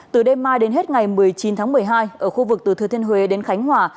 từ đêm mai đến hết ngày một mươi chín tháng một mươi hai ở khu vực từ thừa thiên huế đến khánh hòa